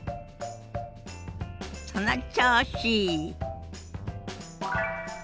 その調子！